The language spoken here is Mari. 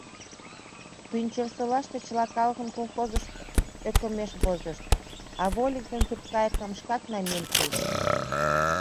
Пӱнчерсолаште чыла калыкым колхозыш ӧкымеш возышт, а вольык ден сурткайыкым шкак намиен пуышт.